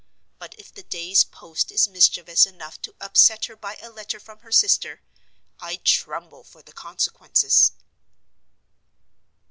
But if the day's post is mischievous enough to upset her by a letter from her sister, I tremble for the consequences.